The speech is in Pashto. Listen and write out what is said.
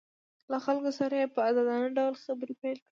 له خلکو سره یې په ازادانه ډول خبرې پیل کړې